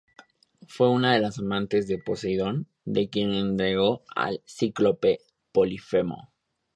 Fue una de las amantes de Poseidón, de quien engendró al cíclope Polifemo.